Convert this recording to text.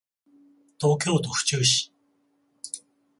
東京都府中市